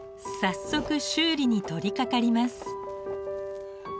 早速修理に取りかかります。